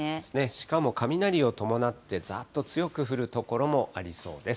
しかも雷を伴ってざーっと強く降る所もありそうです。